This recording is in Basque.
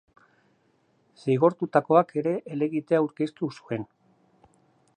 Zigortutakoak ere helegitea aurkeztu zuen.